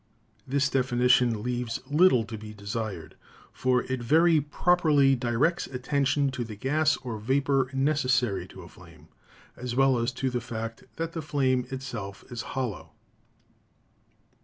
This defini THE NATURE OF LIGHT 109 tion leaves little to be desired, for it very properly directs attention to the gas or vapor necessary to a flame, as well as to the fact that the flame itself is hollow.